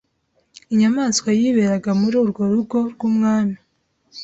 Inyamaswa yiberaga muri urwo rugo rw' umwami